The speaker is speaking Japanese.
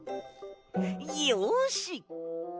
よし！